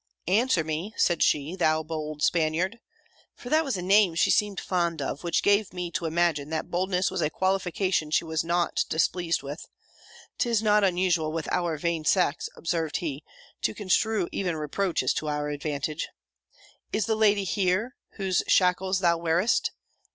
"'Answer me,' said she, 'thou bold Spaniard,' (for that was a name she seemed fond of, which gave me to imagine, that boldness was a qualification she was not displeased with. 'Tis not unusual with our vain sex," observed he, "to construe even reproaches to our advantage,") 'is the lady here, whose shackles thou wearest?'